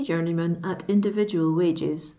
20 journeymen at individual wages, 14«.